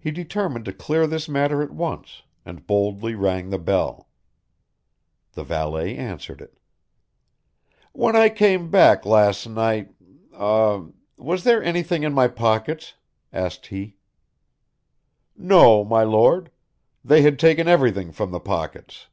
He determined to clear this matter at once, and boldly rang the bell. The valet answered it. "When I came back last night er was there anything in my pockets?" asked he. "No, my Lord. They had taken everything from the pockets."